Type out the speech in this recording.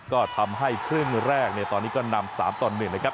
ก็ทำให้ครึ่งแรกเนี่ยตอนนี้ก็นำ๓ต่อ๑นะครับ